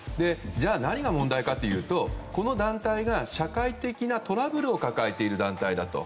何が問題かというとこの団体が、社会的なトラブルを抱えている団体だと。